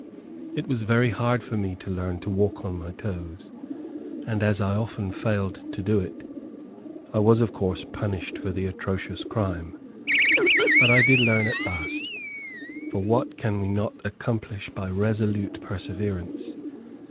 It was very hard for me to learn to walk on my toes, and as I often failed to do it, I was of course punished for the atrocious crime. But I did learn at last, for what can we not accomplish by resolute perseverance?